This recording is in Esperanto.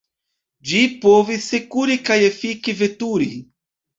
Ĝi povis sekure kaj efike veturi.